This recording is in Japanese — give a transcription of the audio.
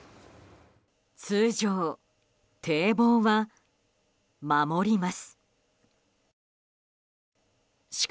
通常、堤防は守ります。